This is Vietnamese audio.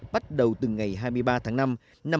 bắt đầu từ ngày hai mươi ba tháng năm năm hai nghìn một mươi sáu